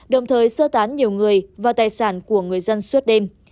đồng thời sơ tán nhiều người và tài sản của người dân suốt đêm